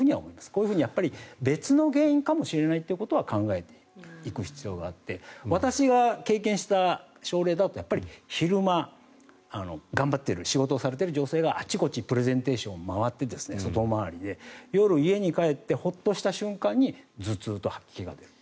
こういうふうに別の原因かもしれないということは考えていく必要があって私が経験した症例だと昼間、頑張っている仕事をされている女性があちこちプレゼンテーションを回って外回りで夜、家に帰ってホッとした瞬間に頭痛と吐き気が出る。